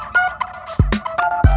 kau mau kemana